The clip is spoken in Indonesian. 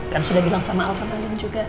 kan sudah bilang sama al sama andin juga